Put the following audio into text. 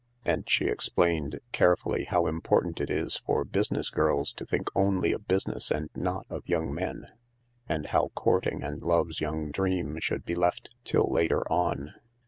And she explained carefully how important it is for business girls to think only of business and not of young men, and how courting and love's young dream should be left till later on.